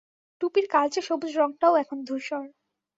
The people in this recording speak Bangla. টুপির কালচে সবুজ রংটাও এখন ধূসর।